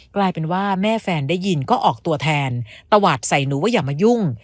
กลายเป็นว่าแม่แฟนได้ยินก็ออกตัวแทนตวาดใส่หนูว่าอย่ามายุ่ง